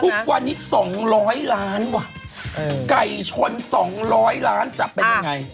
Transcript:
พรุ่งวันนี้สองร้อยล้านว่ะเออไก่ชนสองร้อยล้านจะเป็นยังไง